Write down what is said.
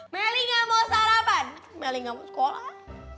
meli nggak mau sarapan meli nggak mau sekolah